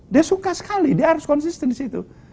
dia suka sekali dia harus konsisten disitu